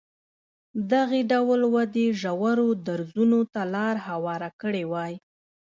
دغې ډول ودې ژورو درزونو ته لار هواره کړې وای.